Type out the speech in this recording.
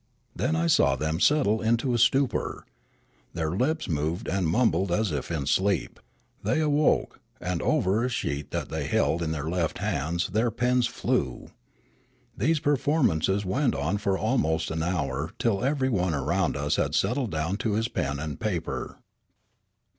Then I saw them settle into a stupor; their lips moved and mum bled as if in sleep ; they awoke, and over a sheet that the}' held in their left hands their pens flew. These performances went on for almost an hour till everyone around us had settled down to his pen and paper.